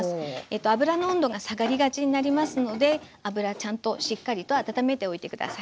油の温度が下がりがちになりますので油ちゃんとしっかりと温めておいて下さい。